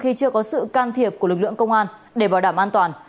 khi chưa có sự can thiệp của lực lượng công an để bảo đảm an toàn